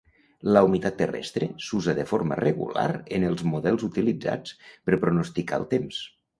La humitat terrestre s'usa de forma regular en els models utilitzats per pronosticar el temps.